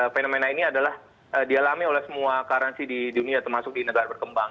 fenomena ini adalah dialami oleh semua currency di dunia termasuk di negara berkembang